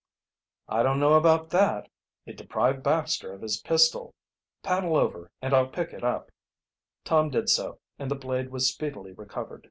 "I don't know about that. It deprived Baxter of his pistol. Paddle over, and I'll pick it up." Tom did so, and the blade was speedily recovered.